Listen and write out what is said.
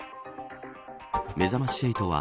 めざまし８は